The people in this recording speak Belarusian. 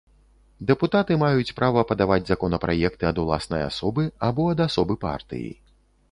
Дэпутаты маюць права падаваць законапраекты ад уласнай асобы або ад асобы партыі.